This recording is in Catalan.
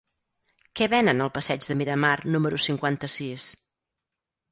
Què venen al passeig de Miramar número cinquanta-sis?